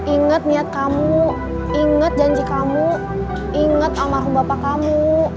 ingat niat kamu ingat janji kamu ingat almarhum bapak kamu